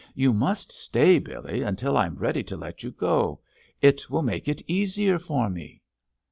You must stay, Billy, until I'm ready to let you go; it will make it easier for me."